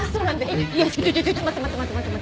ちょちょちょちょ待って待って待って待って。